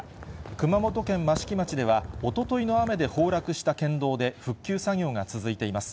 熊本県益城町では、おとといの雨で崩落した県道で復旧作業が続いています。